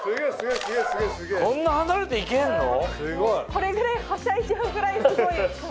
これぐらいはしゃいじゃうぐらいすごいスマホなんです。